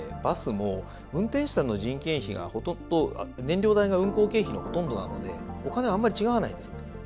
バスも運転手さんの人件費がほとんど燃料代が運行経費のほとんどなのでお金あんまり違わないんですね。